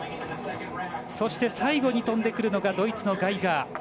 そして、最後に飛んでくるのがドイツのガイガー。